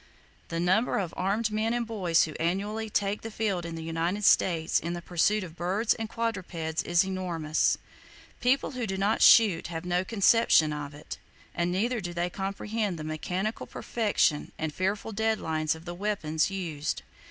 The number of armed men and boys who annually take the field in the United States in the pursuit of birds and quadrupeds, is enormous. [Page 59] People who do not shoot have no conception of it; and neither do they comprehend the mechanical perfection and fearful deadliness of the weapons used.